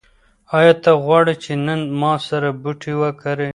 ایا ته غواړې چې نن ما سره بوټي وکرې؟